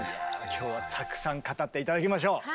今日はたくさん語って頂きましょう！